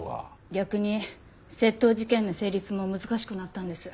逆に窃盗事件の成立も難しくなったんです。